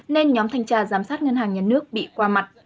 nên nhóm thanh tra giám sát ngân hàng nhà nước bị qua mặt